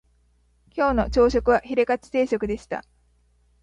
今日の朝食はヒレカツ定食でした